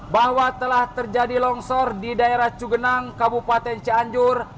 bahwa telah terjadi longsor di daerah cugenang kabupaten cianjur